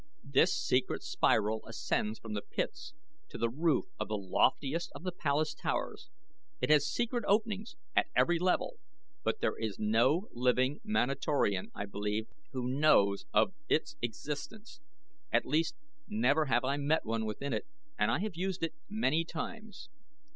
This secret spiral ascends from the pits to the roof of the loftiest of the palace towers. It has secret openings at every level; but there is no living Manatorian, I believe, who knows of its existence. At least never have I met one within it and I have used it many times.